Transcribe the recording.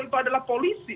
itu adalah polisi